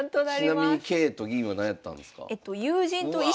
ちなみに桂と銀はなんやったんですか？